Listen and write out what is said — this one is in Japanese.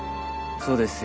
そうですよ。